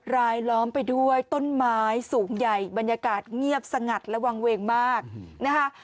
ล้อมไปด้วยต้นไม้สูงใหญ่บรรยากาศเงียบสงัดและวางเวงมากนะคะ